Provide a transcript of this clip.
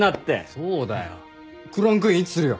そうだよ。